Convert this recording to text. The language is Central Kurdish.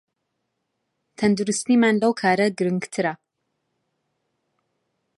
تەندروستیمان لەو کارە گرنگترە